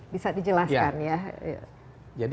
bisa dijelaskan ya